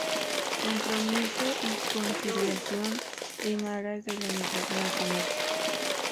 Compromiso y conciliación en aras de la unidad nacional.